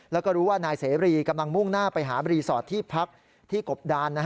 แล้วก็รู้ว่านายเสรีกำลังมุ่งหน้าไปหารีสอร์ทที่พักที่กบดาน